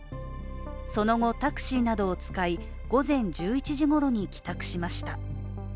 その後、タクシーなどを使い、午前１１時ごろに帰宅しました。